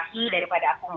kasih daripada aku